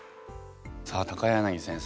さあ柳先生